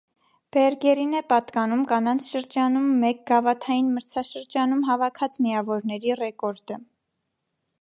Բերգերին է պատկանում կանանց շրջանում մեկ գավաթային մրցաշրջանում հավաքած միավորների ռեկորդը։